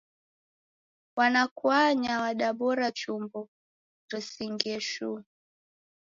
Wanakwaya wadabora chumbo risingie shuu.